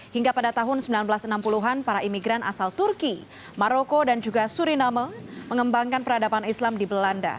hingga pada tahun seribu sembilan ratus enam puluh an para imigran asal turki maroko dan juga suriname mengembangkan peradaban islam di belanda